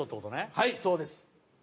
はいそうです。